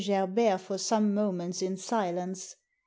Gerbert for some moments in silence.